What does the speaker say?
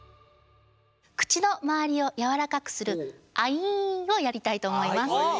口の周りをやわらかくするアイーンをやりたいと思います。